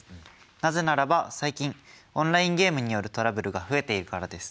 なぜならば最近オンラインゲームによるトラブルが増えているからです。